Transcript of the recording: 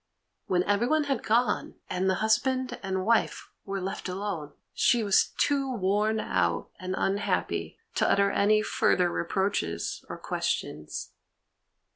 When everyone had gone, and the husband and wife were left alone, she was too worn out and unhappy to utter any further reproaches or questions.